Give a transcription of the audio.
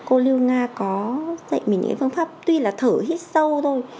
cô lưu nga có dạy mình những phương pháp tuy là thở hết sâu thôi